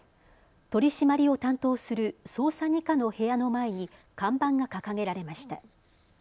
取締りを担当する捜査２課の部屋の前に看板が掲げられました。